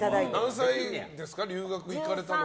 何歳ですか、留学行かれたのは。